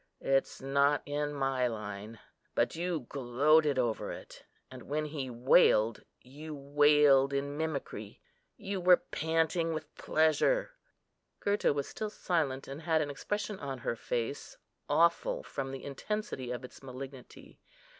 It's not in my line; but you gloated over it; and when he wailed, you wailed in mimicry. You were panting with pleasure." Gurta was still silent, and had an expression on her face, awful from the intensity of its malignity.